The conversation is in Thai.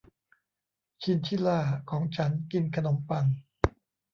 ชินชิล่าของฉันกินขนมปัง